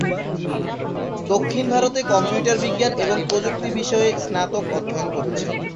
দক্ষিণ ভারতে কম্পিউটার বিজ্ঞান এবং প্রযুক্তি বিষয়ে স্নাতক অধ্যয়ন করেছেন।